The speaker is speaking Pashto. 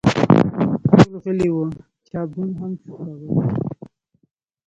ټول غلي وه ، چا بوڼ هم شو کولی !